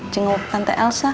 cenguk tante elsa